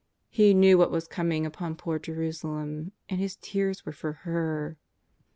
Ho :cnev>' what was coming upon poor Jerusalem, anc His tears were for her.